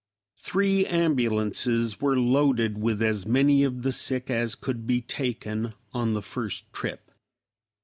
Three ambulances were loaded with as many of the sick as could be taken on the first trip.